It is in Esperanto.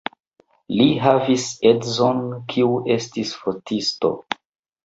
Li havis edzon, kiu estis fotisto.